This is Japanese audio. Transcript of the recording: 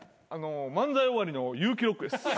漫才終わりのユウキロックです。